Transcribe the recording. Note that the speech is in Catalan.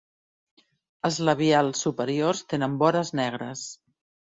Els labials superiors tenen vores negres.